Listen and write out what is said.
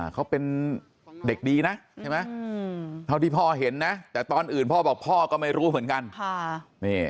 เขาเป็นเด็กดีนะใช่ไหมเท่าที่พ่อเห็นนะแต่ตอนอื่นพ่อบอกพ่อก็ไม่รู้เหมือนกัน